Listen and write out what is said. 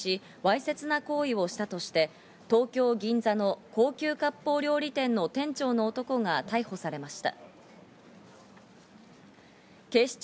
知人の女性の自宅マンションに侵入し、わいせつな行為をしたとして、東京・銀座の高級かっぽう料理店の店長の男が逮捕されました。